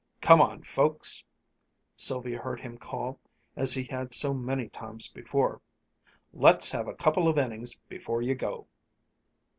"Come on, folks," Sylvia heard him call, as he had so many times before. "Let's have a couple of innings before you go!"